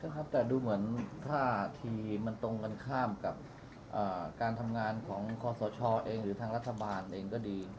ใช่ครับแต่ดูเหมือนท่าทีมันตรงกันข้ามกับการทำงานของคอสชเองหรือทางรัฐบาลเองก็ดี